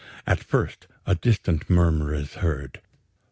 At first a distant murmur is heard.